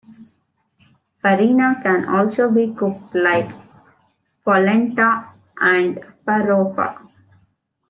Farina can also be cooked like polenta and farofa.